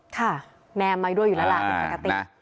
ครับแทนมาก่อนด้วย